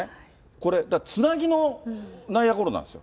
これ、つなぎの内野ゴロなんですよ。